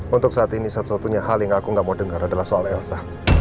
untuk saat ini satu satunya hal yang aku gak mau dengar adalah soal elsa